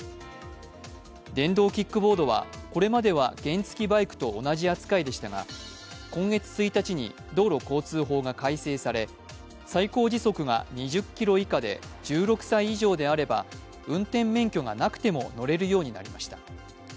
電動キックボードは、これまでは原付きバイクと同じ扱いでしたが今月１日に道路交通法が改正され最高時速が２０ｋｍ以下で１６歳以上であれば、運転免許がなくても乗れるようになりました。